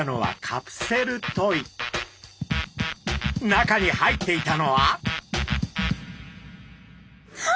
中に入っていたのは。